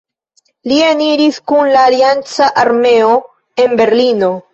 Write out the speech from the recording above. Li eniris kun la alianca armeo en Berlino.